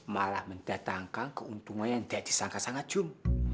malah mendatangkan keuntungan yang tidak disangka sangat jum